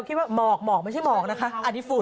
ว่าหมอกหมอกไม่ใช่หมอกนะคะอันนี้ฝุ่น